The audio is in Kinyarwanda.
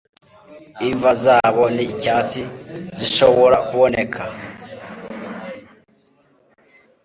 Imva zabo ni icyatsi zishobora kuboneka